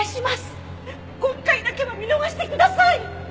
今回だけは見逃してください！